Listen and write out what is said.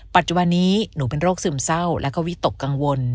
ปัจจุบันนี้หนูเป็นโรคซึมเศร้าแล้วก็วิตกกังวล